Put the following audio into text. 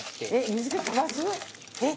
「水気飛ばす？えっ！」